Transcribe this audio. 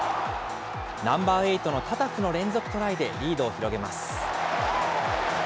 ナンバーエイトのタタフの連続トライでリードを広げます。